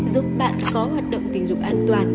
giúp bạn có hoạt động tình dục an toàn